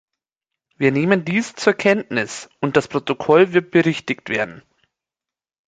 Wir nehmen dies zur Kenntnis, und das Protokoll wird berichtigt werden.